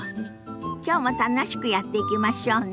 きょうも楽しくやっていきましょうね。